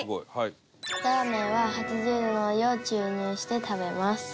「ラーメンは８０度のお湯を注入して食べます」